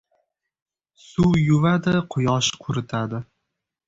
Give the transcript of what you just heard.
• Suv yuvadi, quyosh quritadi.